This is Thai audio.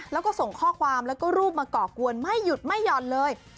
แล้วก็ส่งข้อความแล้วก็รูปมาก่อกวนไม่หยุดไม่หย่อนเลย